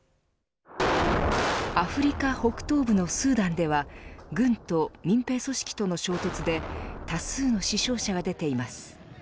アフリカ北東部のスーダンでは軍と民兵組織との衝突で多数の死者が出ています。